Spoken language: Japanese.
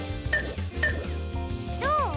どう？